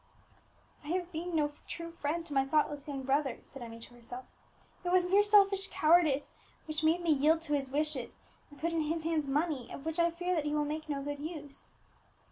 "I have been no true friend to my thoughtless young brother," said Emmie to herself; "it was mere selfish cowardice which made me yield to his wishes, and put in his hands money of which I fear that he will make no good use."